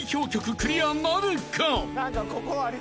クリアなるか？］